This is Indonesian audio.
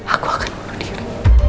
aku akan bunuh diri